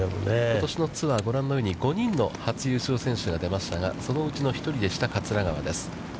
ことしのツアー、ご覧のように５人の初優勝選手が出ましたが、そのうちの１人でした桂川です。